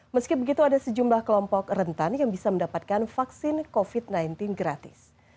meski begitu ada sejumlah kelompok rentan yang bisa mendapatkan vaksin covid sembilan belas gratis